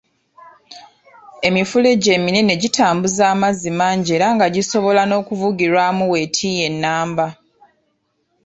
Emifulejje eminene gitambuza amazzi mangi era nga gisobola n'okuvugirwamu weetiiye nnamba